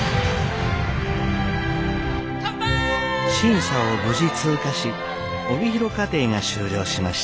審査を無事通過し帯広課程が終了しました。